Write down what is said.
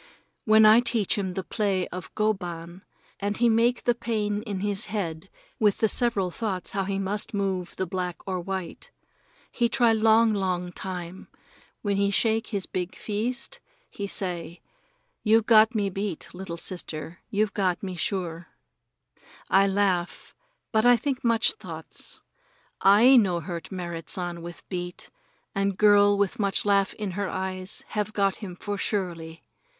Then I teach him the play of go ban, and he make the pain in his head with the several thoughts how he must move the black or white. He try long, long time, then he shake his big feest, and he say: "You've got me beat, little sister; you've got me sure." I laugh, but I think much thoughts. I no hurt Merrit San with beat, and girl with much laugh in her eyes have got him for surely.